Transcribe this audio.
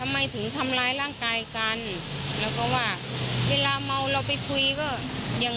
จะกินทำไมกินแล้วทะเลาะกัน